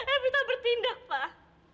evita bertindak pak